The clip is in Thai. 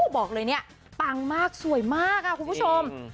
บอกเลยเนี่ยปังมากสวยมากค่ะคุณผู้ชม